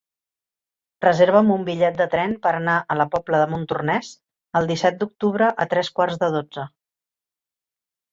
Reserva'm un bitllet de tren per anar a la Pobla de Montornès el disset d'octubre a tres quarts de dotze.